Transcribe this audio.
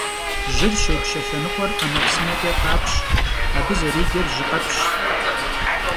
Jır şêpşe lhenıkhuer 'emepsımeç'e khapş, abı zerêcer jjıkhepşş.